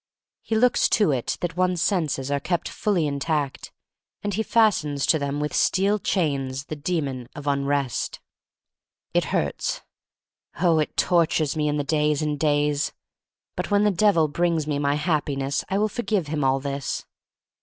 He looks to it that one's senses are kept fully intact, and he fastens to them with steel chains the Demon of Unrest. It hurts — oh, it tortures me in the days and days! But when the Devil brings me my Happiness I will forgive him all this.